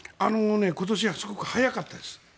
今年はすごく早かったです。